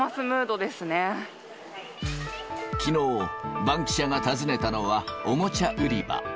きのう、バンキシャが訪ねたのは、おもちゃ売り場。